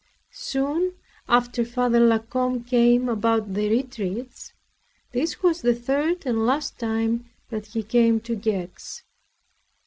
Soon after, Father La Combe came about the retreats. This was the third and last time that he came to Gex.